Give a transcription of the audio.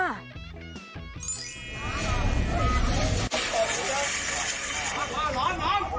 ร้อน